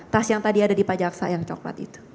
tas yang tadi ada di pajaksa yang coklat itu